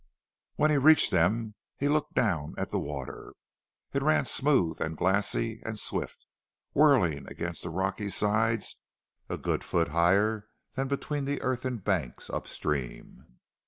When he reached them he looked down at the water. It ran smooth and glassy and swift, whirling against the rocky sides a good foot higher than between the earthen banks upstream.